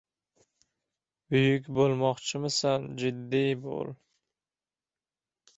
• Buyuk bo‘lmoqchimisan — jiddiy bo‘l.